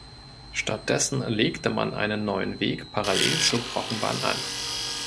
Stattdessen legte man einen neuen Weg parallel zur Brockenbahn an.